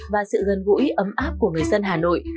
và sự gần gũi ấm áp của người dân hà nội